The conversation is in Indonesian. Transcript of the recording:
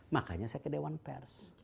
makanya saya ke dewan pers